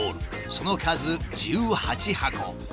その数１８箱。